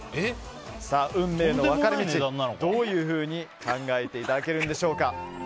運命の分かれ道、どういうふうに考えていただけるんでしょうか。